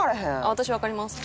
私わかります。